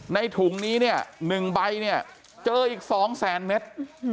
ในถุงนี้เนี่ย๑ใบเจออีก๒๐๐๐๐๐เมตร